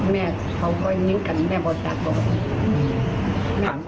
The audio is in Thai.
แม่เขาก็ยังยิ้มกันแม่บอสตราคบอก